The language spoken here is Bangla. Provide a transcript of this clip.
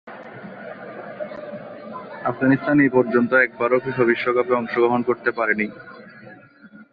আফগানিস্তান এপর্যন্ত একবারও ফিফা বিশ্বকাপে অংশগ্রহণ করতে পারেনি।